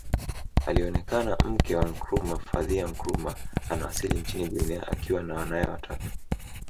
Alionekana mke wa Nkrumah Fathia Nkrumah anawasili nchini Guinea akiwa na wanawe watatu